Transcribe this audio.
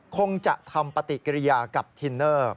คงจะทำปฏิกิริยากับทินเนอร์